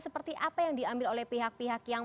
seperti apa yang diambil oleh pihak pihak yang